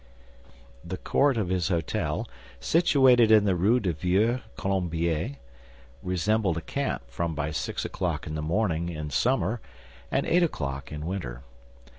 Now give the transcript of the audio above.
The court of his hôtel, situated in the Rue du Vieux Colombier, resembled a camp from by six o'clock in the morning in summer and eight o'clock in winter.